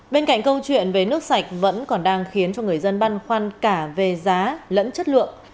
bên cạnh câu chuyện về nước sạch vẫn còn đang khiến cho người dân băn khoăn cả về giá lẫn chất lượng